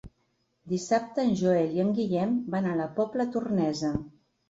Dissabte en Joel i en Guillem van a la Pobla Tornesa.